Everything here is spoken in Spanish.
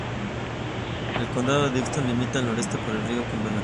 El Condado de Dickson, limita al noreste por el río Cumberland.